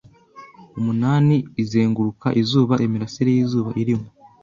umunani izenguruka izuba Imirasire y'izuba irimo